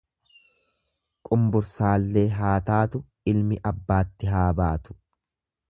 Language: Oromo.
Qumbursaallee haa taatu ilmi abbaatti haa baatu.